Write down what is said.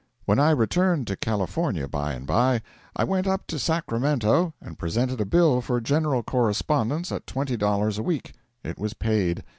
When I returned to California by and by, I went up to Sacramento and presented a bill for general correspondence at twenty dollars a week. It was paid.